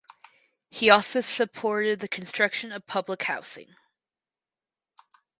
He also supported the construction of public housing.